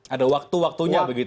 ada waktu waktunya begitu